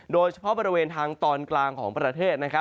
โดยเฉพาะบริเวณทางตอนกลางของประเทศ